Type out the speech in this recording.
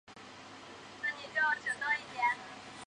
分生孢子造成木材组织增生并开始损害维管束系统。